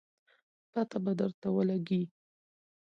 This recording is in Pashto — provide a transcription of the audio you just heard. پته به درته ولګي